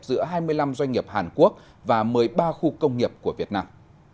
giữa hai mươi năm doanh nghiệp hàn quốc và một mươi ba khu công nghiệp của việt nam